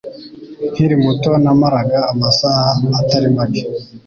Nkiri muto namaraga amasaha atari make